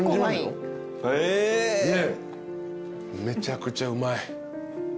めちゃくちゃうまい。